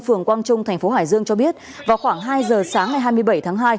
phường quang trung tp hải dương cho biết vào khoảng hai h sáng ngày hai mươi bảy tháng hai